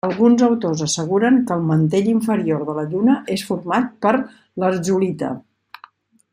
Alguns autors asseguren que el mantell inferior de la Lluna és format per lherzolita.